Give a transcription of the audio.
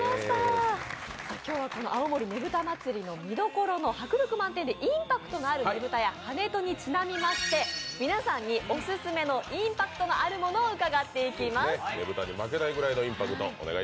今日は青森ねぶた祭見どころの、迫力満点でインパクトのあるねぶたや跳人にちなみにまして、皆さんにオススメのインパクトのあるものを伺っていきます。